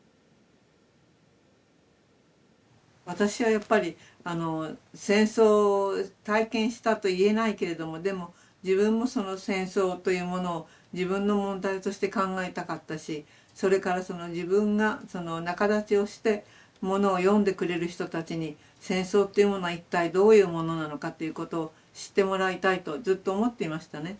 私はやっぱり戦争を体験したと言えないけれどもでも自分もその戦争というものを自分の問題として考えたかったしそれから自分が仲立ちをしてものを読んでくれる人たちに戦争っていうものは一体どういうものなのかということを知ってもらいたいとずっと思っていましたね。